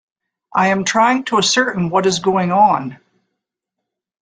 I am trying to ascertain what is going on.